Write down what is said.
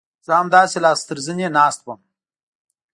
زه همداسې لاس تر زنې ناست وم.